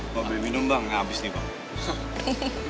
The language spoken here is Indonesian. mau beli minum bang gak abis nih bang